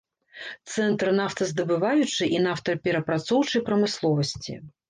Цэнтр нафтаздабываючай і нафтаперапрацоўчай прамысловасці.